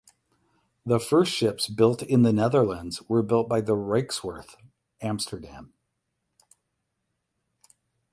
The first ships built in the Netherlands were built by the Rijkswerf Amsterdam.